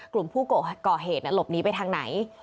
กลุ่มผู้ก่อเหตุหลบหนีไปทางไหน